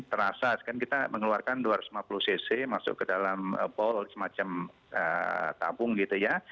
terasa kan kita mengeluarkan dua ratus lima puluh cc masuk ke dalam bol semacam tabung gitu ya